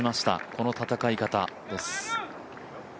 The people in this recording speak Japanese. この戦い方です。